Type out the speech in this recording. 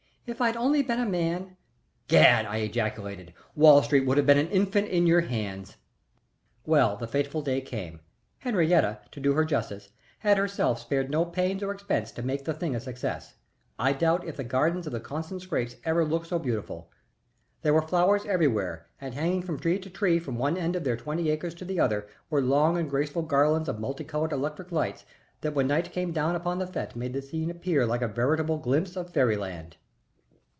"If I'd only been a man " "Gad!" I ejaculated. "Wall Street would have been an infant in your hands." Well, the fateful day came. Henriette, to do her justice, had herself spared no pains or expense to make the thing a success. I doubt if the gardens of the Constant Scrappes ever looked so beautiful. There were flowers everywhere, and hanging from tree to tree from one end of their twenty acres to the other were long and graceful garlands of multicolored electric lights that when night came down upon the fête made the scene appear like a veritable glimpse of fairyland.